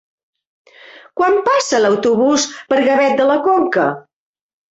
Quan passa l'autobús per Gavet de la Conca?